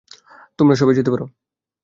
তোমরা সবাই যেতে পারো।